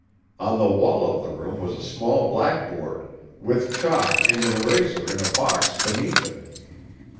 On one wall of the room was a small blackboard, with chalk and an eraser in a box beneath it.